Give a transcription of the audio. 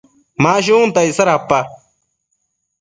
Ma shunta icsa dapa?